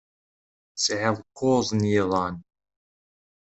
Tesɛid kuẓ n yiḍan.